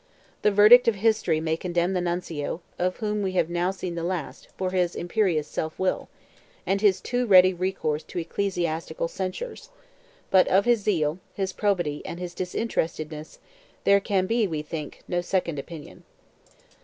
The verdict of history may condemn the Nuncio, of whom we have now seen the last, for his imperious self will, and his too ready recourse to ecclesiastical censures; but of his zeal, his probity, and his disinterestedness, there can be, we think, no second opinion.